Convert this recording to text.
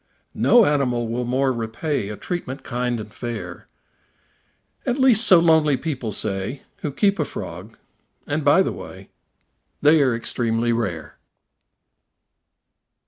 No animal will more repay A treatment kind and fair; At least so lonely people say Who keep a frog (and, by the way, They are extremely rare).